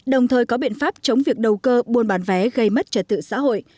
đồng thời có biện pháp chống việc đầu cơ buôn bán vé gây mất trật tự xã hội